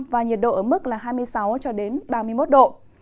và nhiệt độ ở mức là hai mươi sáu ba mươi một độ